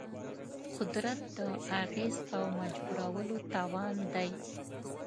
قدرت د اغېز او مجبورولو توان دی.